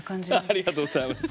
ありがとうございます。